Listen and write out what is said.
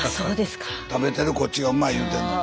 食べてるこっちがうまい言うてんのに。